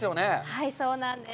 はい、そうなんです。